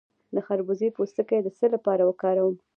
د خربوزې پوستکی د څه لپاره وکاروم؟